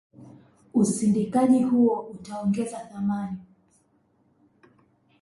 Usindikaji huo utaongeza thamani